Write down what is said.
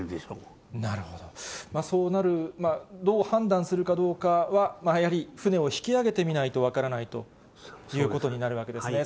そうなる、どう判断するかどうかはやはり船を引き上げてみないと分からないということになるわけですね。